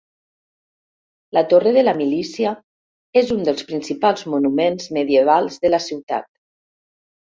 La Torre de la Milícia és un dels principals monuments medievals de la ciutat.